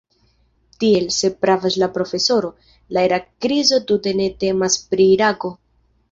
Tiel, se pravas la profesoro, la Irak-krizo tute ne temas pri Irako.